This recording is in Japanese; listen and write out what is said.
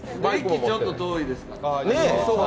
駅ちょっと遠いですから。